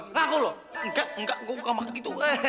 ngaku lo nggak nggak gua bukan makan gitu